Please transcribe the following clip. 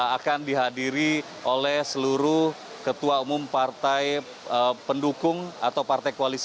akan dihadiri oleh seluruh ketua umum partai pendukung atau partai koalisi